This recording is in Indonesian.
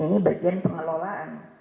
ini bagian pengelolaan